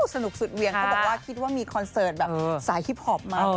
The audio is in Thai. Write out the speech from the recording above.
สนุกสุดเวียงเขาบอกว่าคิดว่ามีคอนเสิร์ตแบบสายฮิปพอปมา